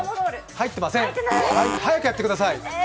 入ってません、早くやってください。